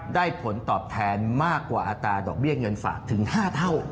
ผลตอบแทนมากกว่าอัตราดอกเบี้ยเงินฝากถึง๕เท่า